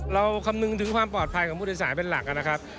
คำนึงถึงความปลอดภัยของผู้โดยสารเป็นหลักนะครับ